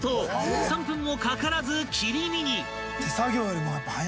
３分もかからず切り身に］